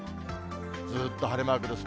ずっと晴れマークです。